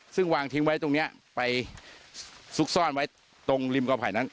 ซึ่งวางทิ้งไว้ตรงนี้ไปซุกซ่อนไว้ตรงริมกอไผ่นั้น